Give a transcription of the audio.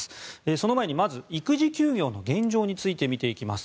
その前にまず育児休業の現状について見ていきます。